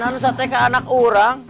kan harus hati ke anak orang